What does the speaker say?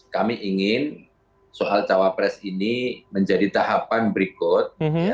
kami ingin soal cawapres ini menjadi tahapan berikut